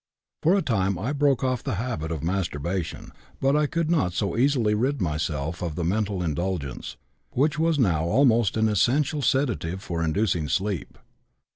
For a time I broke off the habit of masturbation, but I could not so easily rid myself of the mental indulgence, which was now almost an essential sedative for inducing sleep.